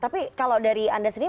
tapi kalau dari anda sendiri